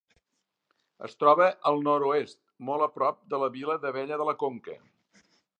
Es troba al nord-oest, molt a prop, de la vila d'Abella de la Conca.